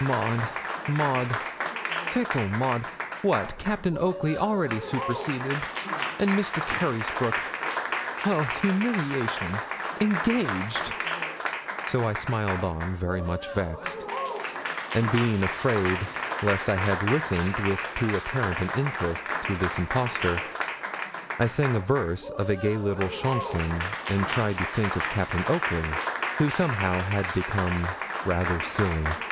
'Maud Maud fickle Maud! What, Captain Oakley already superseded! and Mr. Carysbroke oh! humiliation engaged.' So I smiled on, very much vexed; and being afraid lest I had listened with too apparent an interest to this impostor, I sang a verse of a gay little chanson, and tried to think of Captain Oakley, who somehow had become rather silly.